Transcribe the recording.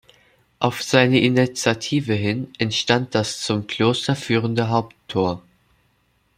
Auf seine Initiative hin entstand das zum Kloster führende Haupttor.